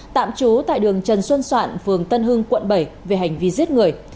tạm trú tại đường trần xuân soạn phường tân hưng quận bảy về hành vi giết người